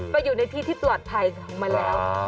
ไปอยู่ในที่ที่ปลอดภัยของมันแล้ว